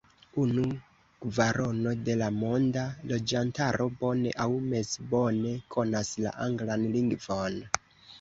Unu kvarono de la monda loĝantaro bone aŭ mezbone konas la anglan lingvon.